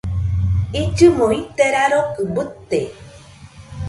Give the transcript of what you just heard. Illɨmo ite rarokɨ bɨte